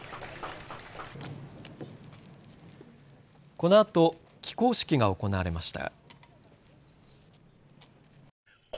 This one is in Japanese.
このあと帰校式が行われました。